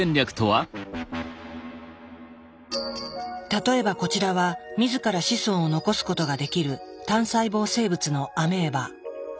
例えばこちらは自ら子孫を残すことができる単細胞生物のアメーバ。